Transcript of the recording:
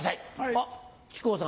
あっ木久扇さん